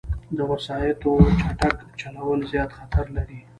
د وسايطو چټک چلول، زیاد خطر لري